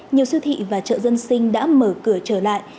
nhiều siêu thị và chợ dân sinh đã mở cửa trở lại